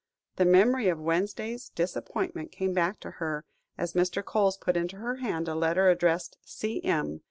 The memory of Wednesday's disappointment came back to her, and as Mr. Coles put into her hand a letter addressed "C.M."